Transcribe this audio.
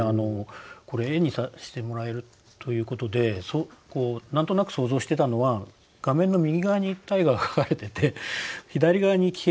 これ絵にしてもらえるということで何となく想像してたのは画面の右側に大河が描かれてて左側に騎兵が。